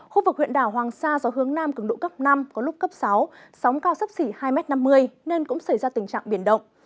khu vực huyện đảo hoàng sa gió hướng nam cường độ cấp năm có lúc cấp sáu sóng cao sấp xỉ hai m năm mươi nên cũng xảy ra tình trạng biển động